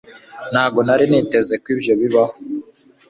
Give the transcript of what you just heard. ntabwo nari niteze ko ibyo bibaho